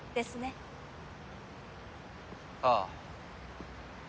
ああ。